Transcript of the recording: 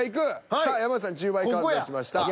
さあ山内さん１０倍カード出しました。